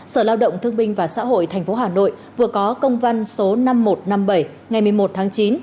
sở lao động thương binh và xã hội tp hà nội vừa có công văn số năm nghìn một trăm năm mươi bảy ngày một mươi một tháng chín